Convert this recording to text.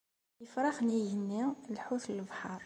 Ifrax n igenni, lḥut n lebḥer.